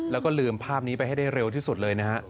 แล้วก็ลืมภาพนี้ไปให้ได้เร็วที่สุดเลยนะฮะ